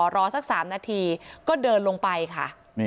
รอสัก๓นาทีก็เดินลงไปค่ะ